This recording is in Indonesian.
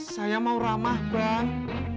saya mau ramah bang